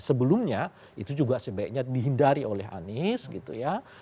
sebelumnya itu juga sebaiknya dihindari oleh anies gitu ya